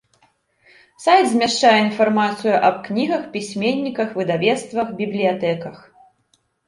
Сайт змяшчае інфармацыю аб кнігах, пісьменніках, выдавецтвах, бібліятэках.